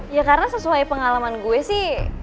ya karena sesuai pengalaman gue sih